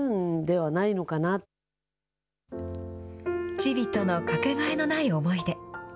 チビとの掛けがえのない思いで。